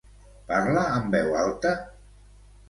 Parla en veu alta?